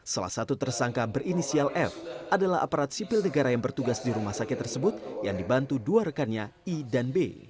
salah satu tersangka berinisial f adalah aparat sipil negara yang bertugas di rumah sakit tersebut yang dibantu dua rekannya i dan b